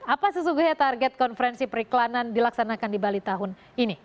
apa sesungguhnya target konferensi periklanan dilaksanakan di bali tahun ini